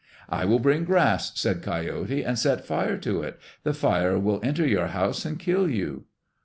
"I will bring grass," said Coyote, "and set fire to it. The fire will enter your house and kill you."